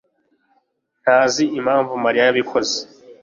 ntazi impamvu Mariya yabikoze.